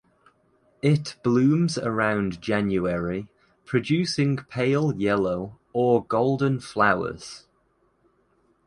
It blooms around January producing pale yellow or golden flowers.